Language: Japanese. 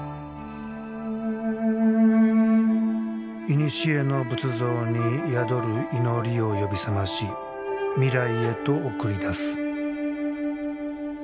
いにしえの仏像に宿る祈りを呼び覚まし未来へと送り出す。